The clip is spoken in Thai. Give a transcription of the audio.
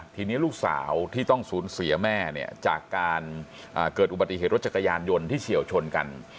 ทีนี้ลูกสาวที่ต้องสูญเสียแม่เนี่ยจากการเกิดอุบัติเหตุรถจักรยานยนต์ที่เฉียวชนกัน